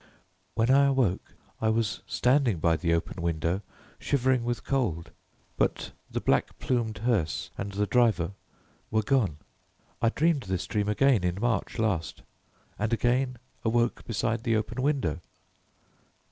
When I awoke I was standing by the open window shivering with cold, but the black plumed hearse and the driver were gone. I dreamed this dream again in March last, and again awoke beside the open window.